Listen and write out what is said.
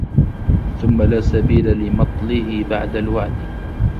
ثُمَّ لَا سَبِيلَ لِمَطْلِهِ بَعْدَ الْوَعْدِ